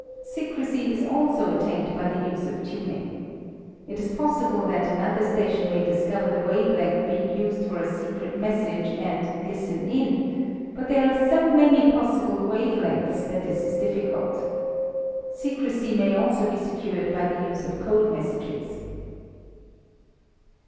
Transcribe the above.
Secrecy is also attained by the use of tuning. It is possible that another station may discover the wave length being used for a secret message and "listen in," but there are so many possible wave lengths that this is difficult. Secrecy may also be secured by the use of code messages.